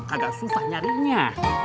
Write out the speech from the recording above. agak suah nyarinya